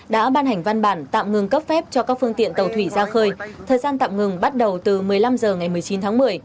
đã ban hành văn bản tạm ngừng cấp phép cho các phương tiện tàu thủy ra khơi thời gian tạm ngừng bắt đầu từ một mươi năm h ngày một mươi chín tháng một mươi